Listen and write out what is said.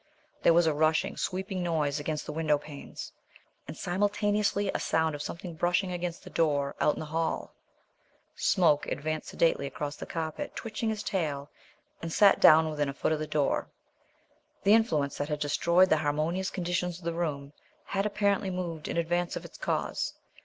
There was a rushing, sweeping noise against the window panes, and simultaneously a sound of something brushing against the door out in the hall. Smoke advanced sedately across the carpet, twitching his tail, and sat down within a foot of the door. The influence that had destroyed the harmonious conditions of the room had apparently moved in advance of its cause.